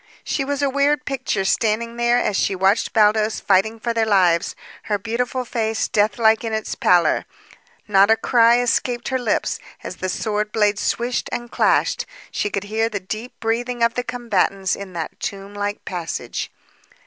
She was a weird picture standing there as she watched Baldos fighting for their lives, her beautiful face deathlike in its pallor. Not a cry escaped her lips, as the sword blades swished and clashed; she could hear the deep breathing of the combatants in that tomb like passage.